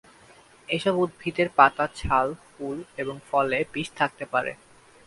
এসব উদ্ভিদের পাতা, ছাল, ফুল এবং ফলে বিষ থাকতে পারে।